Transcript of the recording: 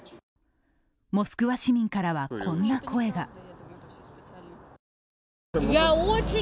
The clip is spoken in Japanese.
モスクワ市民からは、こんな声が。